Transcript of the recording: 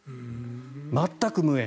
全く無縁。